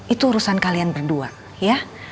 itu urusan kalian berdua